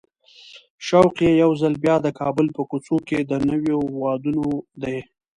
شوق یې یو ځل بیا د کابل په کوڅو کې د نویو وادونو دی.